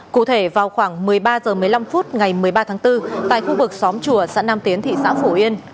cụ thể vào khoảng một mươi ba h một mươi năm phút ngày một mươi ba tháng bốn tại khu vực xóm chùa xã nam tiến thị xã phổ yên